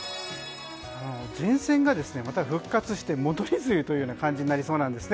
前線がまた復活して戻り梅雨という感じになりそうです。